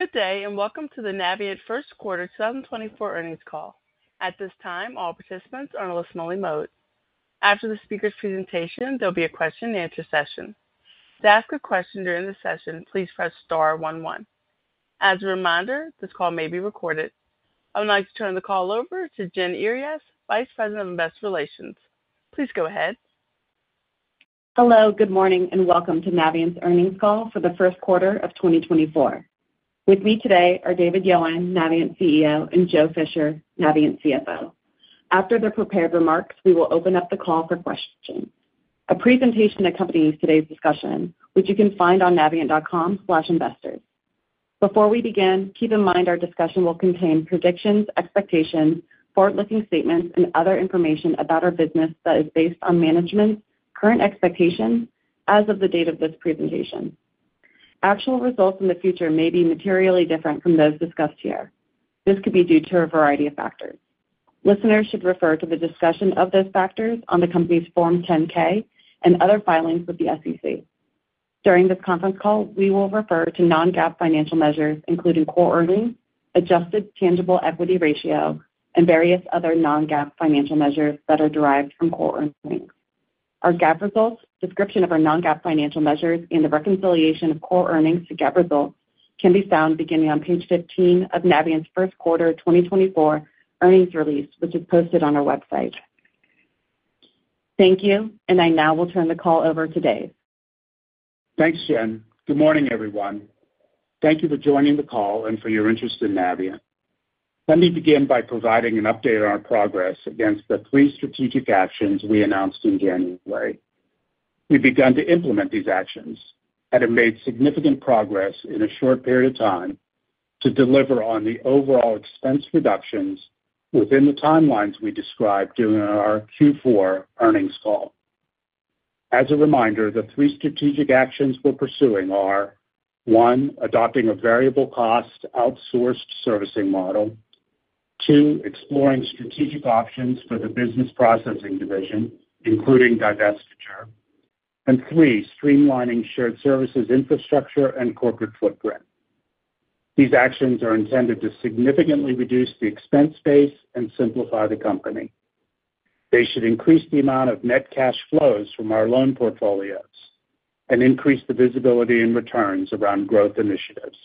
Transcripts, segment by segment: Good day and welcome to the Navient First Quarter 2024 earnings call. At this time, all participants are in a listen-only mode. After the speaker's presentation, there'll be a question-and-answer session. To ask a question during the session, please press star one one. As a reminder, this call may be recorded. I would like to turn the call over to Jen Earyes, Vice President of Investor Relations. Please go ahead. Hello, good morning, and welcome to Navient's earnings call for the first quarter of 2024. With me today are David Yowan, Navient CEO, and Joe Fisher, Navient CFO. After their prepared remarks, we will open up the call for questions. A presentation accompanies today's discussion, which you can find on navient.com/investors. Before we begin, keep in mind our discussion will contain predictions, expectations, forward-looking statements, and other information about our business that is based on management's current expectations as of the date of this presentation. Actual results in the future may be materially different from those discussed here. This could be due to a variety of factors. Listeners should refer to the discussion of those factors on the company's Form 10-K and other filings with the SEC. During this conference call, we will refer to non-GAAP financial measures, including core earnings, adjusted tangible equity ratio, and various other non-GAAP financial measures that are derived from core earnings. Our GAAP results, description of our non-GAAP financial measures, and the reconciliation of core earnings to GAAP results can be found beginning on page 15 of Navient's first quarter 2024 earnings release, which is posted on our website. Thank you, and I now will turn the call over to Dave. Thanks, Jen. Good morning, everyone. Thank you for joining the call and for your interest in Navient. Let me begin by providing an update on our progress against the three strategic actions we announced in January. We've begun to implement these actions and have made significant progress in a short period of time to deliver on the overall expense reductions within the timelines we described during our Q4 earnings call. As a reminder, the three strategic actions we're pursuing are: one, adopting a variable cost outsourced servicing model; two, exploring strategic options for the business processing division, including divestiture; and three, streamlining shared services infrastructure and corporate footprint. These actions are intended to significantly reduce the expense base and simplify the company. They should increase the amount of net cash flows from our loan portfolios and increase the visibility and returns around growth initiatives.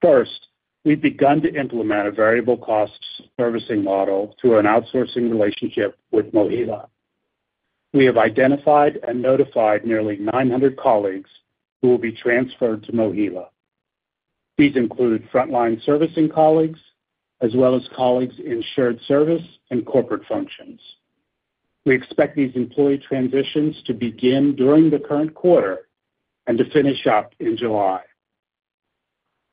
First, we've begun to implement a variable cost servicing model through an outsourcing relationship with MOHELA. We have identified and notified nearly 900 colleagues who will be transferred to MOHELA. These include frontline servicing colleagues as well as colleagues in shared service and corporate functions. We expect these employee transitions to begin during the current quarter and to finish up in July.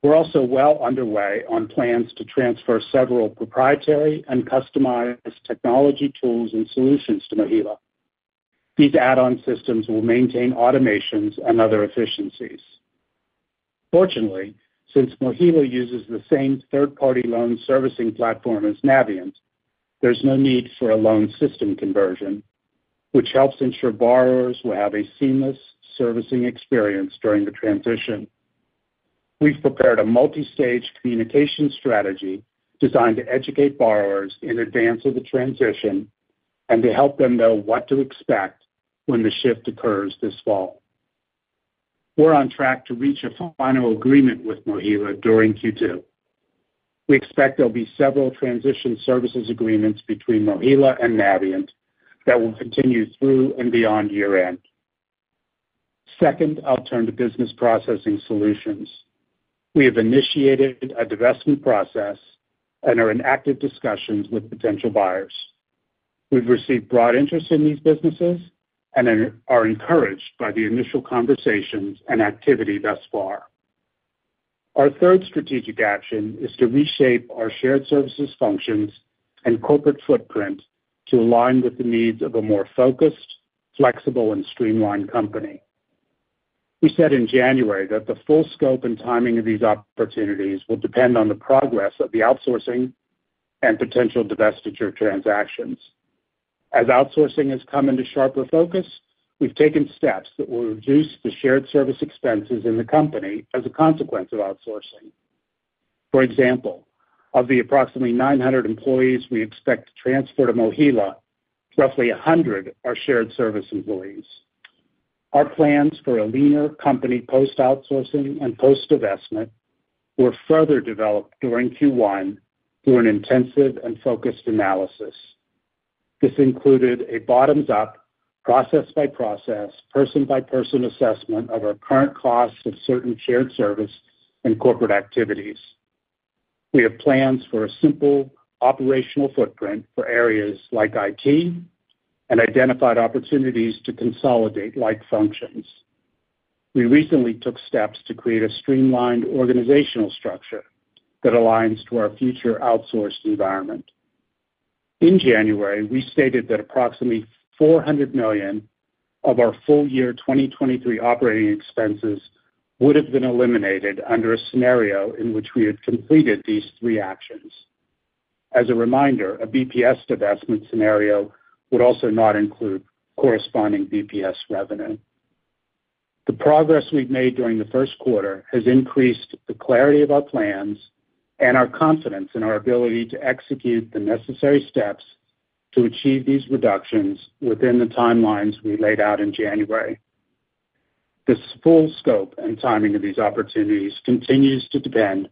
We're also well underway on plans to transfer several proprietary and customized technology tools and solutions to MOHELA. These add-on systems will maintain automations and other efficiencies. Fortunately, since MOHELA uses the same third-party loan servicing platform as Navient, there's no need for a loan system conversion, which helps ensure borrowers will have a seamless servicing experience during the transition. We've prepared a multi-stage communication strategy designed to educate borrowers in advance of the transition and to help them know what to expect when the shift occurs this fall. We're on track to reach a final agreement with MOHELA during Q2. We expect there'll be several transition services agreements between MOHELA and Navient that will continue through and beyond year-end. Second, I'll turn to business processing solutions. We have initiated a divestment process and are in active discussions with potential buyers. We've received broad interest in these businesses and are encouraged by the initial conversations and activity thus far. Our third strategic action is to reshape our shared services functions and corporate footprint to align with the needs of a more focused, flexible, and streamlined company. We said in January that the full scope and timing of these opportunities will depend on the progress of the outsourcing and potential divestiture transactions. As outsourcing has come into sharper focus, we've taken steps that will reduce the shared service expenses in the company as a consequence of outsourcing. For example, of the approximately 900 employees we expect to transfer to MOHELA, roughly 100 are shared service employees. Our plans for a leaner company post-outsourcing and post-divestment were further developed during Q1 through an intensive and focused analysis. This included a bottoms-up, process-by-process, person-by-person assessment of our current cost of certain shared service and corporate activities. We have plans for a simple operational footprint for areas like IT and identified opportunities to consolidate like functions. We recently took steps to create a streamlined organizational structure that aligns to our future outsourced environment. In January, we stated that approximately $400 million of our full year 2023 operating expenses would have been eliminated under a scenario in which we had completed these three actions. As a reminder, a BPS divestment scenario would also not include corresponding BPS revenue. The progress we've made during the first quarter has increased the clarity of our plans and our confidence in our ability to execute the necessary steps to achieve these reductions within the timelines we laid out in January. The full scope and timing of these opportunities continues to depend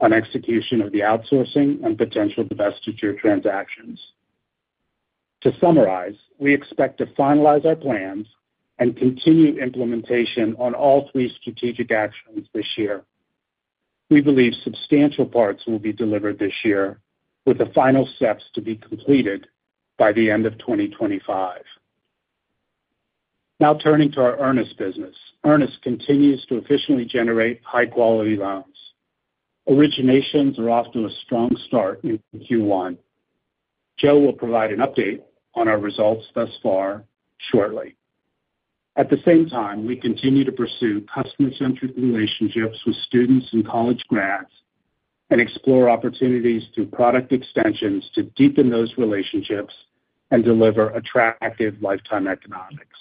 on execution of the outsourcing and potential divestiture transactions. To summarize, we expect to finalize our plans and continue implementation on all three strategic actions this year. We believe substantial parts will be delivered this year, with the final steps to be completed by the end of 2025. Now turning to our Earnest business. Earnest continues to efficiently generate high-quality loans. Originations are off to a strong start in Q1. Joe will provide an update on our results thus far shortly. At the same time, we continue to pursue customer-centric relationships with students and college grads and explore opportunities through product extensions to deepen those relationships and deliver attractive lifetime economics.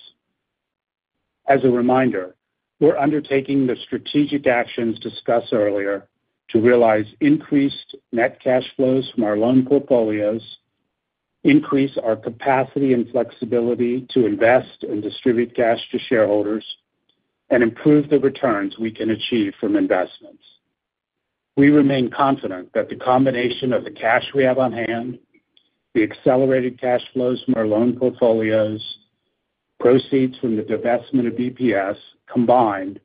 As a reminder, we're undertaking the strategic actions discussed earlier to realize increased net cash flows from our loan portfolios, increase our capacity and flexibility to invest and distribute cash to shareholders, and improve the returns we can achieve from investments. We remain confident that the combination of the cash we have on hand, the accelerated cash flows from our loan portfolios, and proceeds from the divestment of BPS combined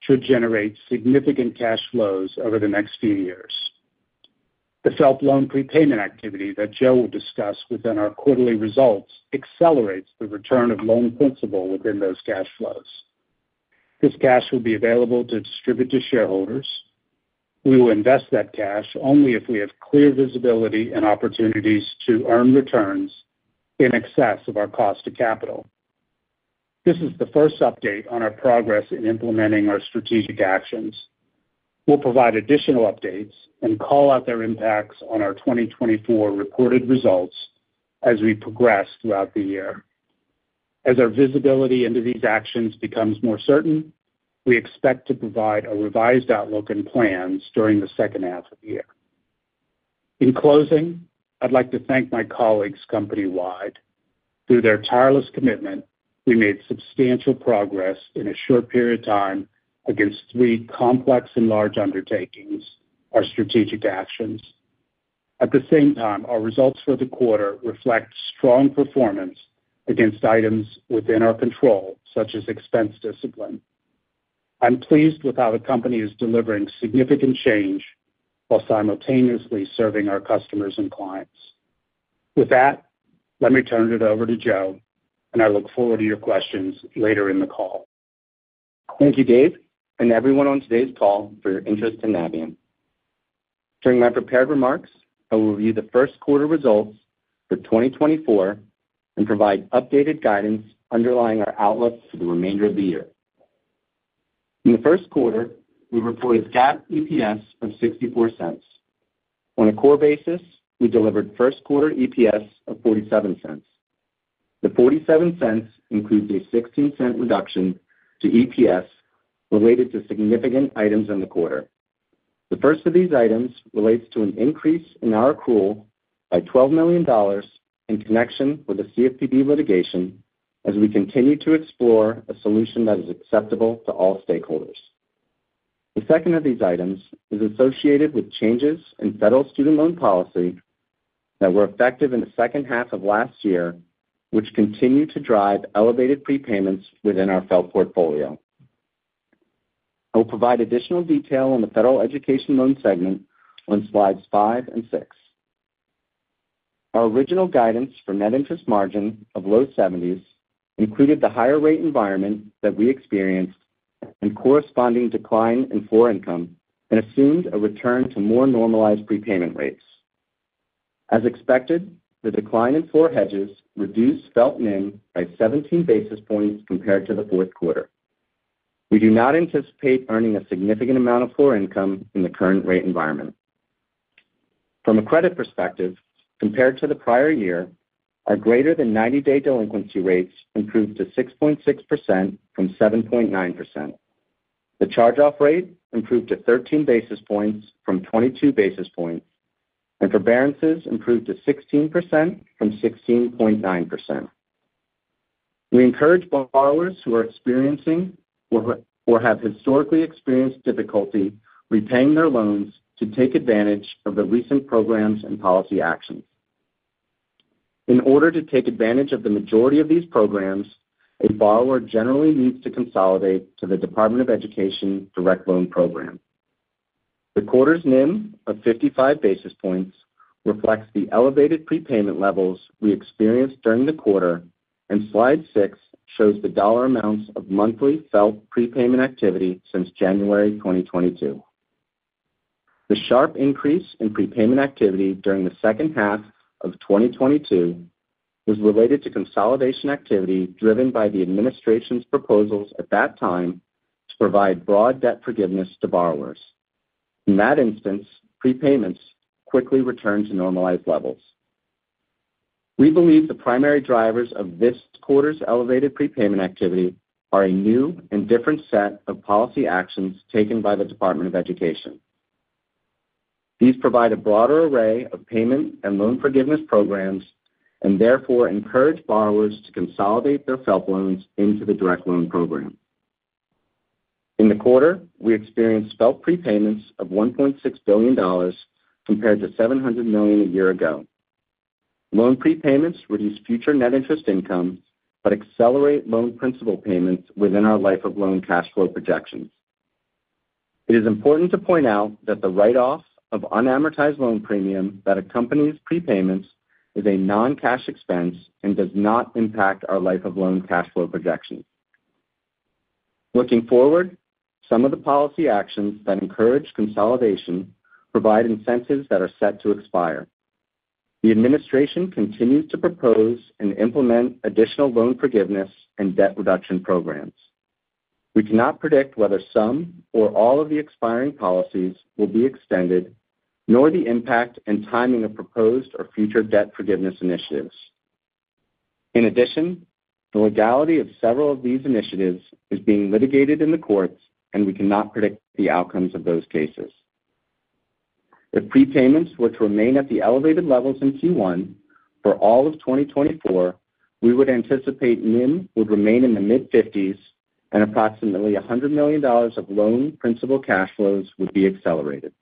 should generate significant cash flows over the next few years. The FFEL loan prepayment activity that Joe will discuss within our quarterly results accelerates the return of loan principal within those cash flows. This cash will be available to distribute to shareholders. We will invest that cash only if we have clear visibility and opportunities to earn returns in excess of our cost of capital. This is the first update on our progress in implementing our strategic actions. We'll provide additional updates and call out their impacts on our 2024 reported results as we progress throughout the year. As our visibility into these actions becomes more certain, we expect to provide a revised outlook and plans during the second half of the year. In closing, I'd like to thank my colleagues company-wide. Through their tireless commitment, we made substantial progress in a short period of time against three complex and large undertakings, our strategic actions. At the same time, our results for the quarter reflect strong performance against items within our control, such as expense discipline. I'm pleased with how the company is delivering significant change while simultaneously serving our customers and clients. With that, let me turn it over to Joe, and I look forward to your questions later in the call. Thank you, Dave, and everyone on today's call for your interest in Navient. During my prepared remarks, I will review the first quarter results for 2024 and provide updated guidance underlying our outlook for the remainder of the year. In the first quarter, we reported GAAP EPS of $0.64. On a core basis, we delivered first quarter EPS of $0.47. The $0.47 includes a $0.16 reduction to EPS related to significant items in the quarter. The first of these items relates to an increase in our accrual by $12 million in connection with a CFPB litigation as we continue to explore a solution that is acceptable to all stakeholders. The second of these items is associated with changes in federal student loan policy that were effective in the second half of last year, which continue to drive elevated prepayments within our FFELP portfolio. I'll provide additional detail on the federal education loan segment on slides 5 and 6. Our original guidance for net interest margin of low 70s included the higher rate environment that we experienced and corresponding decline in floor income and assumed a return to more normalized prepayment rates. As expected, the decline in floor hedges reduced FFEL NIM by 17 basis points compared to the fourth quarter. We do not anticipate earning a significant amount of floor income in the current rate environment. From a credit perspective, compared to the prior year, our greater-than-90-day delinquency rates improved to 6.6% from 7.9%. The charge-off rate improved to 13 basis points from 22 basis points, and forbearances improved to 16% from 16.9%. We encourage borrowers who are experiencing or have historically experienced difficulty repaying their loans to take advantage of the recent programs and policy actions. In order to take advantage of the majority of these programs, a borrower generally needs to consolidate to the Department of Education Direct Loan program. The quarter's NIM of 55 basis points reflects the elevated prepayment levels we experienced during the quarter, and slide 6 shows the dollar amounts of monthly FFEL prepayment activity since January 2022. The sharp increase in prepayment activity during the second half of 2022 was related to consolidation activity driven by the administration's proposals at that time to provide broad debt forgiveness to borrowers. In that instance, prepayments quickly returned to normalized levels. We believe the primary drivers of this quarter's elevated prepayment activity are a new and different set of policy actions taken by the Department of Education. These provide a broader array of payment and loan forgiveness programs and therefore encourage borrowers to consolidate their FFEL loans into the Direct Loan program. In the quarter, we experienced elevated prepayments of $1.6 billion compared to $700 million a year ago. Loan prepayments reduce future net interest income but accelerate loan principal payments within our life-of-loan cash flow projections. It is important to point out that the write-off of unamortized loan premium that accompanies prepayments is a non-cash expense and does not impact our life-of-loan cash flow projections. Looking forward, some of the policy actions that encourage consolidation provide incentives that are set to expire. The administration continues to propose and implement additional loan forgiveness and debt reduction programs. We cannot predict whether some or all of the expiring policies will be extended, nor the impact and timing of proposed or future debt forgiveness initiatives. In addition, the legality of several of these initiatives is being litigated in the courts, and we cannot predict the outcomes of those cases. If prepayments were to remain at the elevated levels in Q1 for all of 2024, we would anticipate NIM would remain in the mid-50s, and approximately $100 million of loan principal cash flows would be accelerated.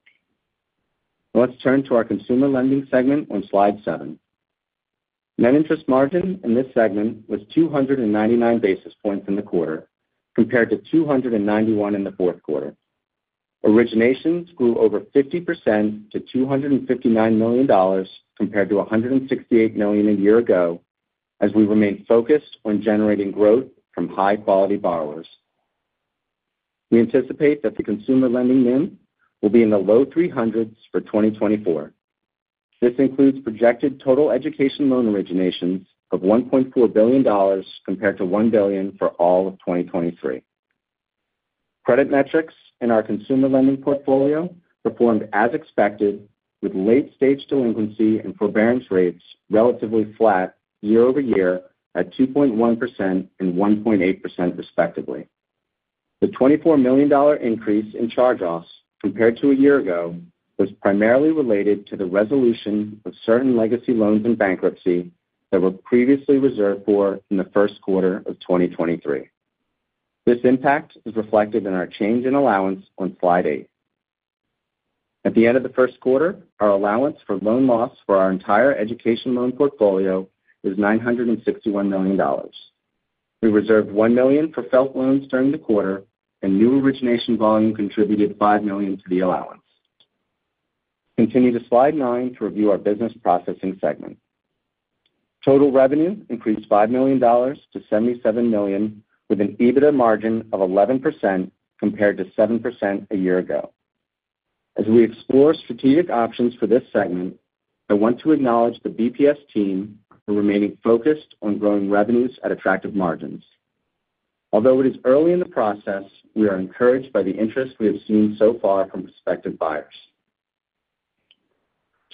Let's turn to our consumer lending segment on slide 7. Net interest margin in this segment was 299 basis points in the quarter compared to 291 in the fourth quarter. Originations grew over 50% to $259 million compared to $168 million a year ago as we remain focused on generating growth from high-quality borrowers. We anticipate that the consumer lending NIM will be in the low 300s for 2024. This includes projected total education loan originations of $1.4 billion compared to $1 billion for all of 2023. Credit metrics in our consumer lending portfolio performed as expected, with late-stage delinquency and forbearance rates relatively flat year-over-year at 2.1% and 1.8% respectively. The $24 million increase in charge-offs compared to a year ago was primarily related to the resolution of certain legacy loans and bankruptcy that were previously reserved for in the first quarter of 2023. This impact is reflected in our change in allowance on slide 8. At the end of the first quarter, our allowance for loan loss for our entire education loan portfolio is $961 million. We reserved $1 million for FFEL loans during the quarter, and new origination volume contributed $5 million to the allowance. Continue to slide 9 to review our business processing segment. Total revenue increased $5 million to $77 million, with an EBITDA margin of 11% compared to 7% a year ago. As we explore strategic options for this segment, I want to acknowledge the BPS team for remaining focused on growing revenues at attractive margins. Although it is early in the process, we are encouraged by the interest we have seen so far from prospective buyers.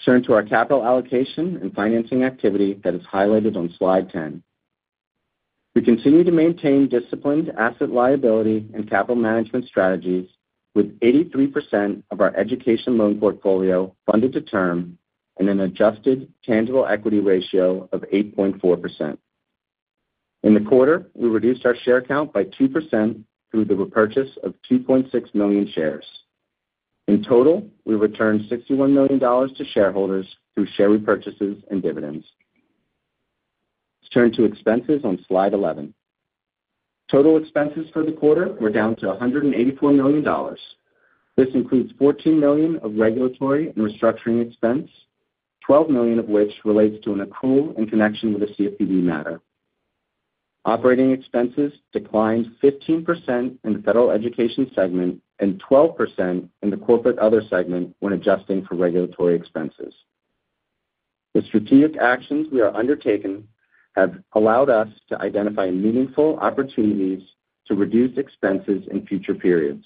Turn to our capital allocation and financing activity that is highlighted on slide 10. We continue to maintain disciplined asset liability and capital management strategies, with 83% of our education loan portfolio funded to term and an adjusted tangible equity ratio of 8.4%. In the quarter, we reduced our share count by 2% through the repurchase of 2.6 million shares. In total, we returned $61 million to shareholders through share repurchases and dividends. Let's turn to expenses on slide 11. Total expenses for the quarter were down to $184 million. This includes $14 million of regulatory and restructuring expense, $12 million of which relates to an accrual in connection with a CFPB matter. Operating expenses declined 15% in the federal education segment and 12% in the corporate other segment when adjusting for regulatory expenses. The strategic actions we are undertaking have allowed us to identify meaningful opportunities to reduce expenses in future periods.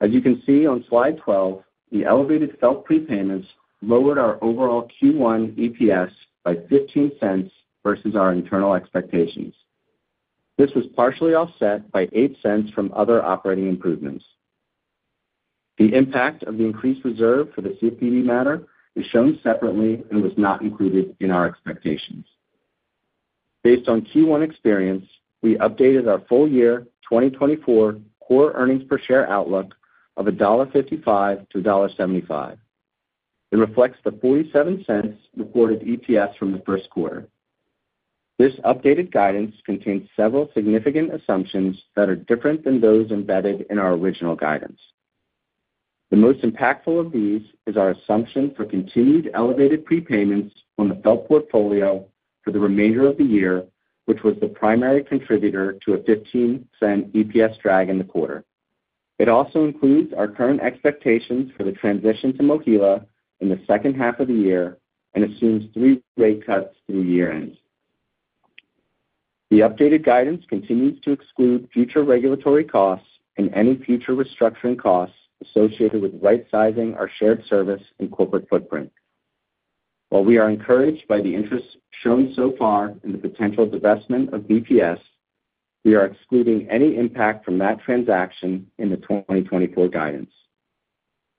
As you can see on slide 12, the elevated FFEL prepayments lowered our overall Q1 EPS by $0.15 versus our internal expectations. This was partially offset by $0.08 from other operating improvements. The impact of the increased reserve for the CFPB matter is shown separately and was not included in our expectations. Based on Q1 experience, we updated our full-year 2024 core earnings per share outlook of $1.55-$1.75. It reflects the $0.47 reported EPS from the first quarter. This updated guidance contains several significant assumptions that are different than those embedded in our original guidance. The most impactful of these is our assumption for continued elevated prepayments on the FFELP portfolio for the remainder of the year, which was the primary contributor to a $0.15 EPS drag in the quarter. It also includes our current expectations for the transition to MOHELA in the second half of the year and assumes three rate cuts through year-end. The updated guidance continues to exclude future regulatory costs and any future restructuring costs associated with right-sizing our shared service and corporate footprint. While we are encouraged by the interest shown so far in the potential divestment of BPS, we are excluding any impact from that transaction in the 2024 guidance.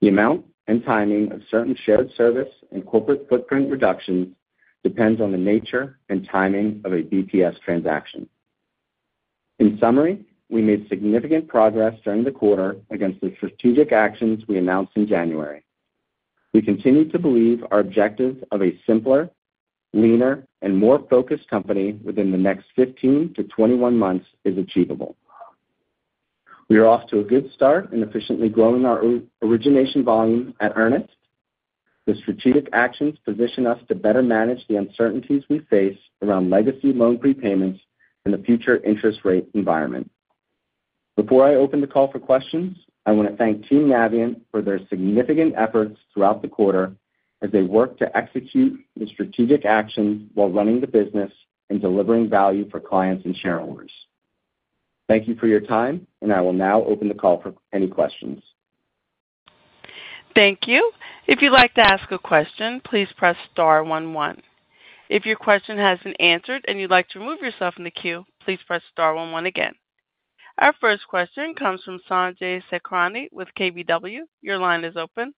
The amount and timing of certain shared service and corporate footprint reductions depends on the nature and timing of a BPS transaction. In summary, we made significant progress during the quarter against the strategic actions we announced in January. We continue to believe our objective of a simpler, leaner, and more focused company within the next 15-21 months is achievable. We are off to a good start in efficiently growing our origination volume at Earnest. The strategic actions position us to better manage the uncertainties we face around legacy loan prepayments and the future interest rate environment. Before I open the call for questions, I want to thank Team Navient for their significant efforts throughout the quarter as they work to execute the strategic actions while running the business and delivering value for clients and shareholders. Thank you for your time, and I will now open the call for any questions. Thank you. If you'd like to ask a question, please press star one one. If your question has been answered and you'd like to remove yourself from the queue, please press star one one again. Our first question comes from Sanjay Sakhrani with KBW. Your line is open.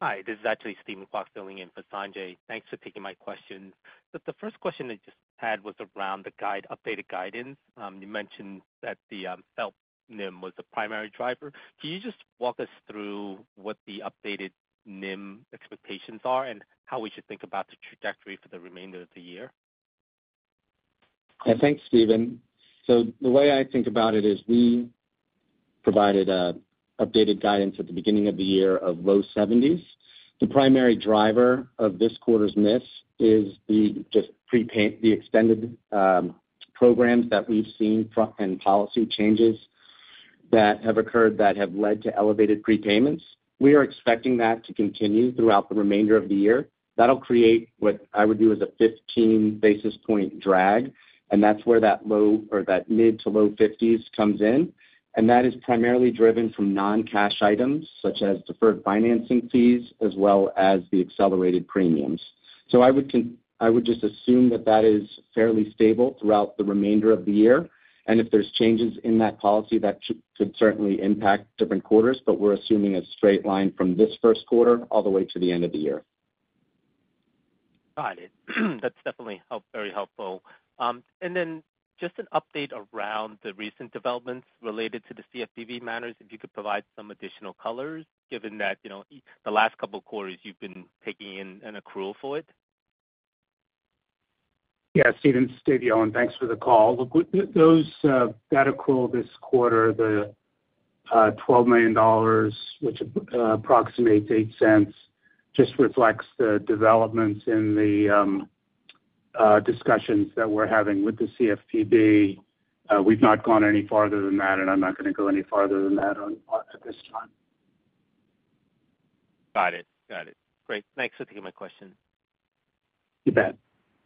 Hi. This is actually Steven Kwok filling in for Sanjay. Thanks for taking my question. The first question I just had was around the updated guidance. You mentioned that the FFELP NIM was the primary driver. Can you just walk us through what the updated NIM expectations are and how we should think about the trajectory for the remainder of the year? Thanks, Stephen. So the way I think about it is we provided updated guidance at the beginning of the year of low 70s. The primary driver of this quarter's miss is just the extended programs that we've seen and policy changes that have occurred that have led to elevated prepayments. We are expecting that to continue throughout the remainder of the year. That'll create what I would do as a 15-basis-point drag, and that's where that mid to low 50s comes in. And that is primarily driven from non-cash items such as deferred financing fees as well as the accelerated premiums. So I would just assume that that is fairly stable throughout the remainder of the year. And if there's changes in that policy, that could certainly impact different quarters, but we're assuming a straight line from this first quarter all the way to the end of the year. Got it. That's definitely very helpful. Then just an update around the recent developments related to the CFPB matters, if you could provide some additional colors given that the last couple of quarters you've been taking in an accrual for it? Yeah, Stephen, Dave Yowan, thanks for the call. Look, that accrual this quarter, the $12 million, which approximates $0.08, just reflects the developments in the discussions that we're having with the CFPB. We've not gone any farther than that, and I'm not going to go any farther than that at this time. Got it. Got it. Great. Thanks for taking my question. You bet.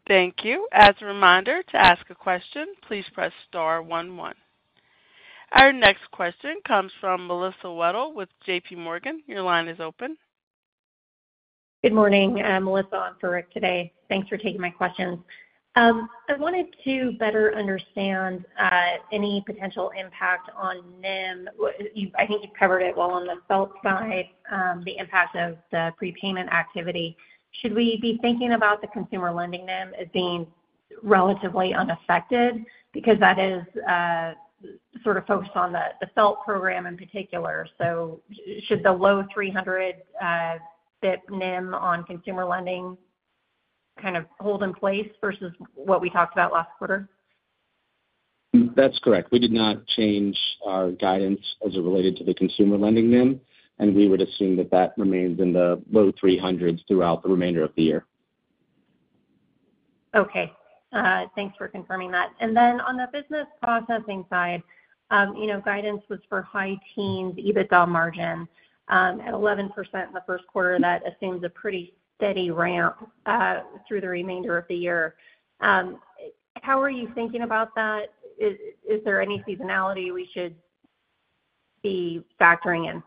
Thank you. As a reminder, to ask a question, please press star one one. Our next question comes from Melissa Wedel with J.P. Morgan. Your line is open. Good morning, Melissa. I'm for Rick today. Thanks for taking my questions. I wanted to better understand any potential impact on NIM. I think you've covered it well on the FFEL side, the impact of the prepayment activity. Should we be thinking about the consumer lending NIM as being relatively unaffected because that is sort of focused on the FFEL program in particular? So should the low 300 basis point NIM on consumer lending kind of hold in place versus what we talked about last quarter? That's correct. We did not change our guidance as it related to the consumer lending NIM, and we would assume that that remains in the low 300s throughout the remainder of the year. Okay. Thanks for confirming that. And then on the business processing side, guidance was for high teens EBITDA margin at 11% in the first quarter. That assumes a pretty steady ramp through the remainder of the year. How are you thinking about that? Is there any seasonality we should be factoring in?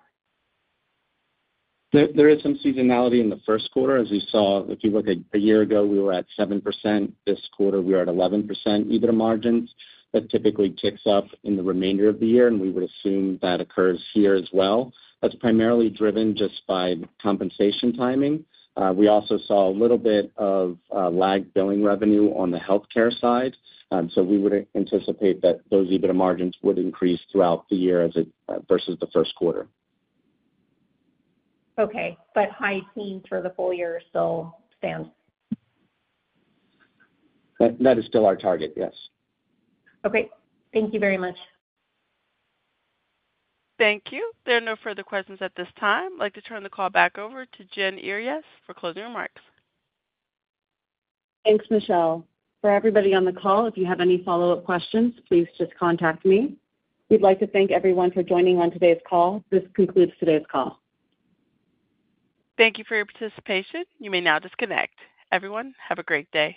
There is some seasonality in the first quarter. As you saw, if you look a year ago, we were at 7%. This quarter, we are at 11% EBITDA margins. That typically kicks up in the remainder of the year, and we would assume that occurs here as well. That's primarily driven just by compensation timing. We also saw a little bit of lagged billing revenue on the healthcare side. So we would anticipate that those EBITDA margins would increase throughout the year versus the first quarter. Okay. But high teens for the full year still stands? That is still our target, yes. Okay. Thank you very much. Thank you. There are no further questions at this time. I'd like to turn the call back over to Jen Earyes for closing remarks. Thanks, Michelle. For everybody on the call, if you have any follow-up questions, please just contact me. We'd like to thank everyone for joining on today's call. This concludes today's call. Thank you for your participation. You may now disconnect. Everyone, have a great day.